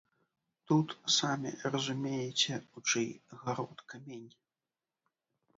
Тут самі разумееце, у чый гарод камень.